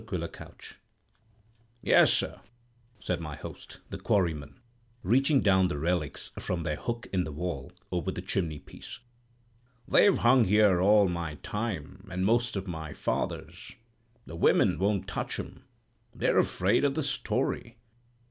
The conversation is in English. Quiller Couch ("Q.") "Yes, sir," said my host, the quarryman, reaching down the relics from their hook in the wall over the chimneypiece; "they've hung here all my time, and most of my father's. The women won't touch 'em; they're afraid of the story.